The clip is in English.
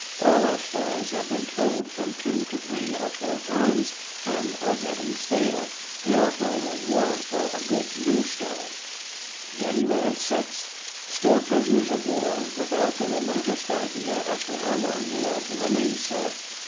All our stories have been told from two, to three or four times, and are get ting stale. We offer a reward for a good new story. Jan. 6. — Still prisoners of war, without the remotest idea as to how long we are to remain so.